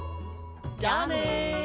じゃあね。